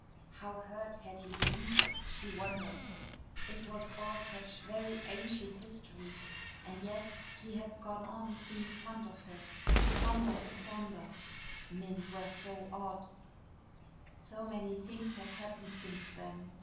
How hurt had he been? She wondered. It was all such very ancient history. And yet he had gone on being fond of her. Fonder and fonder men were so odd. So many things had happened since then.